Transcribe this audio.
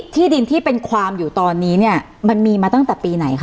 ที่ดินที่เป็นความอยู่ตอนนี้เนี่ยมันมีมาตั้งแต่ปีไหนคะ